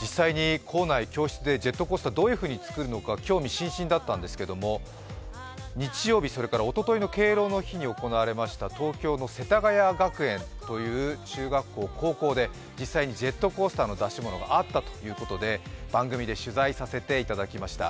実際に校内、教室でジェットコースターどういうふうに作るのか興味津々だったんですけど、日曜日、それからおとといの敬老の日に行われました東京の世田谷学園という中学校・高校で実際にジェットコースターの出し物があったということで番組で取材させていただきました。